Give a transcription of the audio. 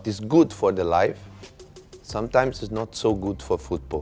สิ่งที่ดีในชีวิตส่วนที่ไม่ดีในฝุ่นฟุตโปร์